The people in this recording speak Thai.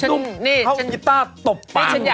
นุ่มเขายิต้าตบปัง